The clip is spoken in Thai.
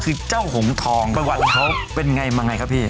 คือเจ้าหงทองประวัติเขาเป็นไงมาไงครับพี่